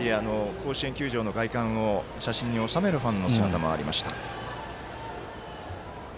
甲子園球場の外観を写真に収めるファンの姿もありました。